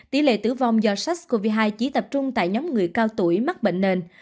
tỷ lệ tử vong do sars cov hai chỉ tập trung tại nhóm người cao tuổi mắc bệnh nền